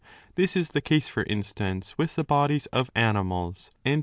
This is the case, for instance, with the bodies of animals and Phys.